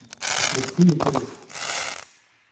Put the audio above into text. Le fruit est ailé.